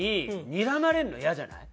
にらまれるのイヤじゃない？